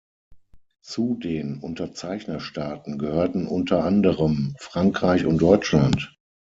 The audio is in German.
Zu den Unterzeichnerstaaten gehörten unter anderem Frankreich und Deutschland.